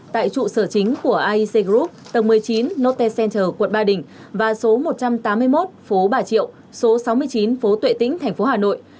tại trụ sở chính của iec group tầng một mươi chín note center quận ba đình và số một trăm tám mươi một phố bà triệu số sáu mươi chín phố tuệ tĩnh thành phố hà nội